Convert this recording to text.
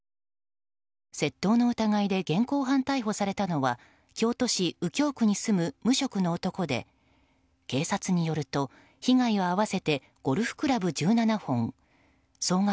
窃盗の疑いで現行犯逮捕されたのは京都市右京区に住む無職の男で警察によると、被害は合わせてゴルフクラブ１７本総額